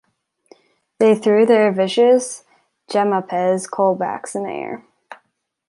They threw their vicious Jemmapes colbacks in the air.